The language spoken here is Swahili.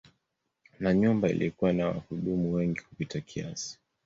Na nyumba ilikuwa na wahudumu wengi kupita kiasi.